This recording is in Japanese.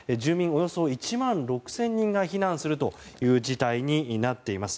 およそ１万６０００人が避難する事態になっています。